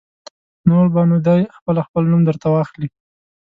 نور به نو دی خپله خپل نوم در ته واخلي.